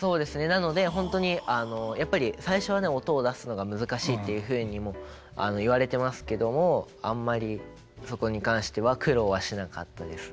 なので本当にやっぱり最初はね音を出すのが難しいっていうふうにも言われてますけどもあんまりそこに関しては苦労はしなかったです。